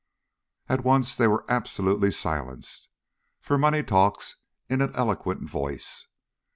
At once they were absolutely silenced, for money talks in an eloquent voice.